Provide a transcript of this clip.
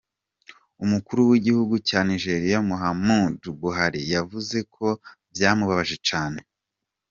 Umukuru w'igihugu ca Nigeria, Muhammadu Buhari, yavuze ko vyamubabaje cane.